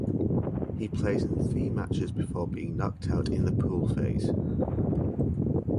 He plays in three matches before being knocked out in the pool phase.